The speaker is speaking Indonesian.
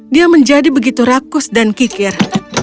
dia menjadi begitu rakus dan kikir